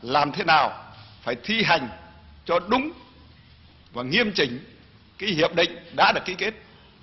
làm thế nào phải thi hành cho đúng và nghiêm trình cái hiệp định đã được ký kết